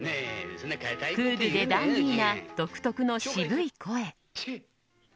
クールでダンディーな独特の渋い声。